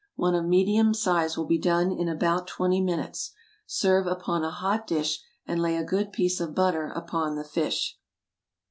One of medium size will be done in about twenty minutes. Serve upon a hot dish, and lay a good piece of butter upon the fish.